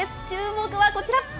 注目はこちら。